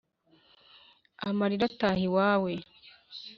amarira ataha iwawe